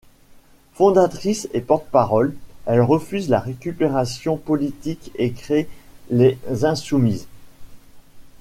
Fondatrice et porte parole, elle refuse la récupération politique et crée Les Insoumis-e-s.